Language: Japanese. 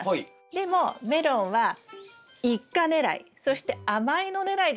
でもメロンは一果狙いそして甘いの狙いでしたよね。